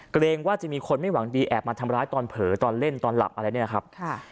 เกรงว่าจะมีคนไม่หวังดีแอบมาทำร้ายตอนเผลอตอนเล่นตอนหลับอะไรเนี่ยนะครับ